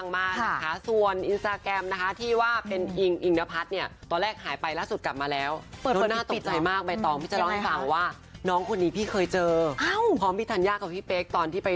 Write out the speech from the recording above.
มันก็เลยกลายเป็นแบบที่เห็นอย่างนี้